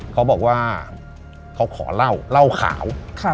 เขาบอกว่าเขาขอเล่าเล่าขาว